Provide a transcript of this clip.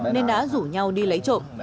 nên đã rủ nhau đi lấy trộm